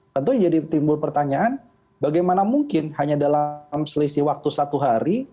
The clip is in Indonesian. tentu jadi timbul pertanyaan bagaimana mungkin hanya dalam selisih waktu satu hari